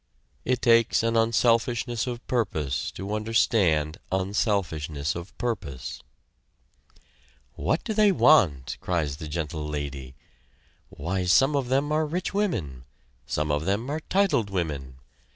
It takes an unselfishness of purpose to understand unselfishness of purpose. "What do they want?" cries the Gentle Lady. "Why some of them are rich women some of them are titled women.